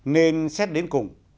nên xét đến cùng